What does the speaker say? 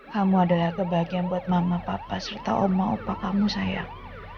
kamu adalah kebahagiaan buat mama papa serta oma opa kamu sayang